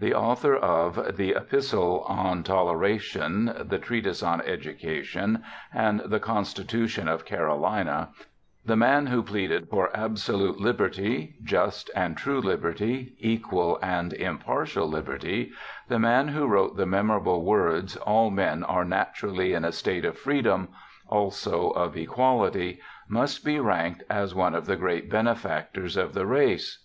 The author of the Epistle on Toleration, the Treatise on Education^ and the Constitution of Carolina^ the man who pleaded for ' absolute Libert}^ just and true Liberty, equal and impartial Liberty ', the man who wrote the memorable words, ' All men are naturally in a state of freedom, also of equality,' must be ranked as one of the great benefactors of the race.